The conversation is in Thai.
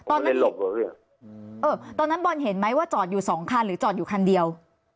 อ่าตอนนั้นบอลเห็นไหมว่าจอดอยู่สองคันหรือจอดอยู่คันเดียว